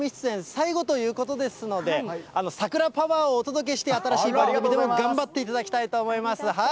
最後ということですので、桜パワーをお届けして、新しいで頑張っていただきたいと思います。